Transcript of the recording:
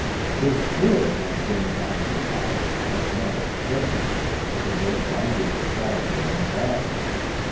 His steward might deign to occupy it, but never, certainly, the great landed proprietor himself.